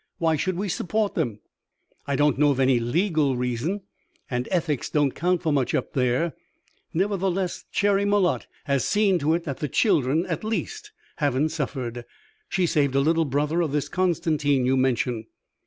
Why should we support them?" "I don't know of any legal reason, and ethics don't count for much up there. Nevertheless, Cherry Malotte has seen to it that the children, at least, haven't suffered. She saved a little brother of this Constantine you mention."